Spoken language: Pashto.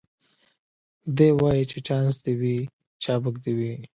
دی وايي چي چانس دي وي چابک دي وي